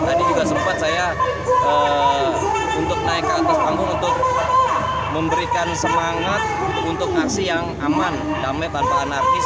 tadi juga sempat saya untuk naik ke atas panggung untuk memberikan semangat untuk aksi yang aman damai tanpa anarkis